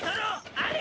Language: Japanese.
あれ？